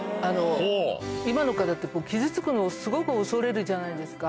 今の方って傷つくのをすごく恐れるじゃないですか。